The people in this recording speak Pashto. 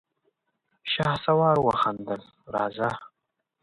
شهسوار وخندل: راځه!